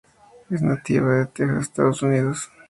Es nativa de Texas en Estados Unidos.